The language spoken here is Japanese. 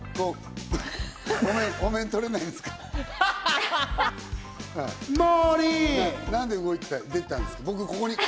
お面、取れないんですか？